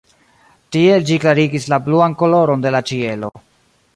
Tiel ĝi klarigis la bluan koloron de la ĉielo.